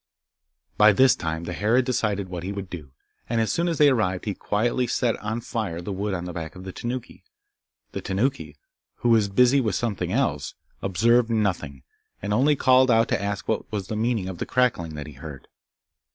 By this time the hare had decided what he would do, and as soon as they arrived, he quietly set on fire the wood on the back of the Tanuki. The Tanuki, who was busy with something else, observed nothing, and only called out to ask what was the meaning of the crackling that he heard.